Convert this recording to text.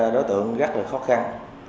đối tượng rất là khó khăn